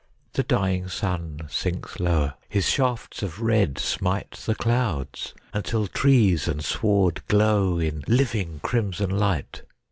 The dying sun sinks lower. His shafts of red smite the clouds, until trees and sward glow in living, crimson light.